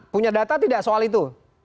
punya data tidak soal itu